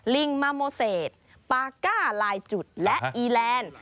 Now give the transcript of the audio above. ลิงมาโมเศษปาก้าลายจุดและอีแลนด์